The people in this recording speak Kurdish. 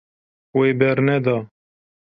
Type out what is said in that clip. Wê berneda.